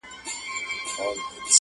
څوك به بولي له اټكه تر مالانه.!